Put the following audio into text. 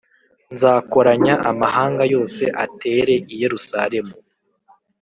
Nzakoranya amahanga yose atere i yerusalemu